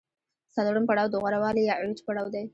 څلورم پړاو د غوره والي یا عروج پړاو دی